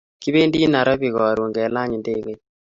Kipendi nairobi karun kelan ndegeit .